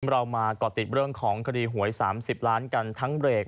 เรามาก่อติดเรื่องของคดีหวย๓๐ล้านกันทั้งเบรก